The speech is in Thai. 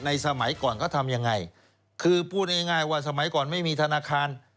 สมัยก่อนเขาทำยังไงคือพูดง่ายว่าสมัยก่อนไม่มีธนาคาร